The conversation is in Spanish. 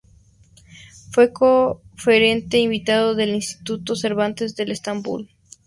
Fue conferenciante invitado del Instituto Cervantes de Estambul.